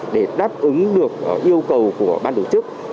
để đáp ứng được yêu cầu của ban tổ chức